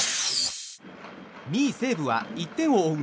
２位、西武は１点を追う